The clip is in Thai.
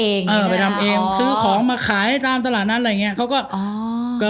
เออเออไปทำเองซื้อของมาขายให้ตามตลาดนั้นอะไรอย่างเงี้ยเขาก็